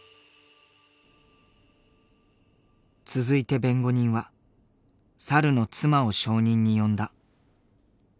続いて弁護人は猿の妻を証人に呼んだ。